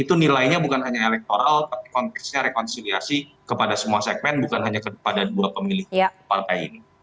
itu nilainya bukan hanya elektoral tapi konteksnya rekonsiliasi kepada semua segmen bukan hanya kepada dua pemilih partai ini